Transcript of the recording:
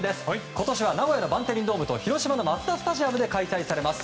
今年は名古屋のバンテリンドームと広島のマツダスタジアムで開催されます。